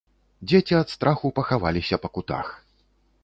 Дзеці ад страху пахаваліся па кутах.